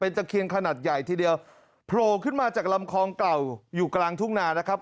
ตะเคียนขนาดใหญ่ทีเดียวโผล่ขึ้นมาจากลำคลองเก่าอยู่กลางทุ่งนานะครับ